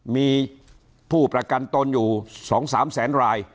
มีผู้ประกันตนอยู่๒๓แสนราย